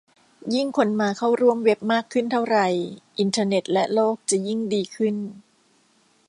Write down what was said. ยิ่งคนมาเข้าร่วมเว็บมากขึ้นเท่าไร อินเทอร์เน็ตและโลกจะยิ่งดีขึ้น